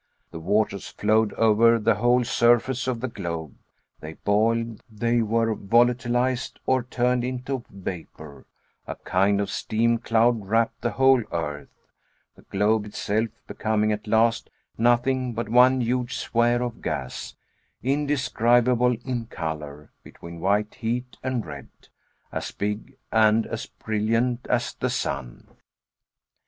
The waters flowed over the whole surface of the globe; they boiled; they were volatilized, or turned into vapor; a kind of steam cloud wrapped the whole earth, the globe itself becoming at last nothing but one huge sphere of gas, indescribable in color, between white heat and red, as big and as brilliant as the sun.